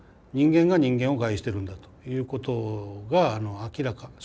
人間が人間を害してるんだということが明らか。